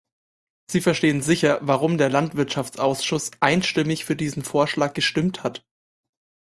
Sie verstehen sicher, warum der Landwirtschaftsausschuss einstimmig für diesen Vorschlag gestimmt hat.